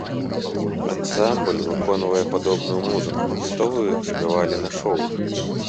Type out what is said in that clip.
Ансамбль выконвае падобную музыку, што вы спявалі на шоў?